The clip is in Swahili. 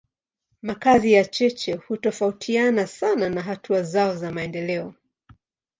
Makazi ya cheche hutofautiana sana na hatua zao za maendeleo.